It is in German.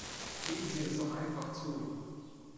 Geben Sie es doch einfach zu!